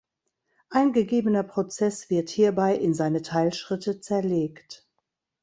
Ein gegebener Prozess wird hierbei in seine Teilschritte zerlegt.